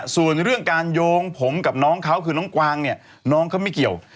ส่วนเรื่องการโยงผมกับน้องเขาคือน้องกวางเนี่ยน้องเขาไม่เกี่ยว